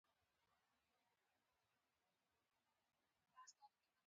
یونامرد درد می رېښوکې دی شین شوی